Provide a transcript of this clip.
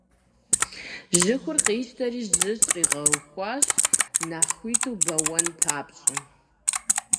Жьыхур къищтэри жьы щӀригъэхуащ, нэхъ хуиту бэуэн папщӀэ.